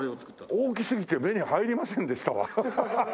大きすぎて目に入りませんでしたわ。